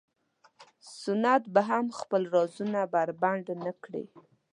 سنت به هم خپل رازونه بربنډ نه کړي.